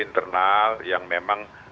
internal yang memang